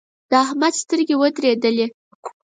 د احمد سترګې ودرېدلې.